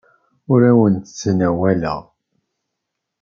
Ur awen-d-ttnawaleɣ.